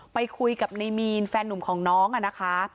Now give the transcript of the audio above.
ไปคุยกับในมีนแฟนหนุ่มของน้องอะนะคะ